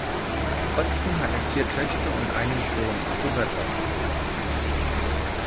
Otzen hatte vier Töchter und einen Sohn, Robert Otzen.